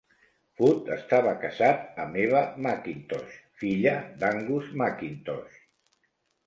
Foot esstava casat amb Eva Mackintosh, filla d'Angus Mackintosh.